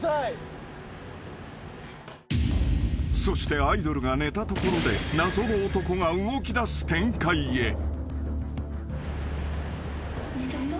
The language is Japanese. ［そしてアイドルが寝たところで謎の男が動きだす展開へ］